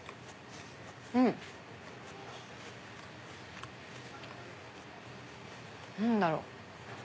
うん！何だろう？